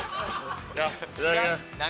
いただきます。